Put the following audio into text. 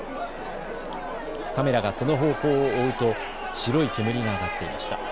カメラがその方向を追うと白い煙が上がっていました。